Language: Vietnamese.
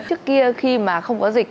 trước kia khi mà không có dịch